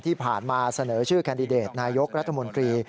ที่ผ่านมาเสนอชื่อแคนดิเดตนายกรัฐมนตรี